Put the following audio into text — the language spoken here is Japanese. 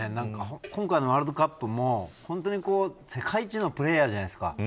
今回のワールドカップも本当に世界一のプレーヤーじゃないですか。